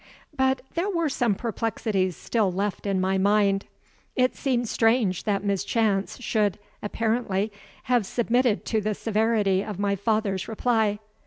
But there were some perplexities still left in my mind. It seemed strange that Miss Chance should (apparently) have submitted to the severity of my father's reply.